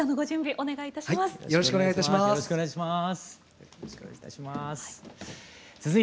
お願いいたします。